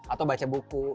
atau baca buku